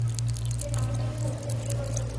যে নম্বরটা দিব ওটাতে ভিডিও কল করুন।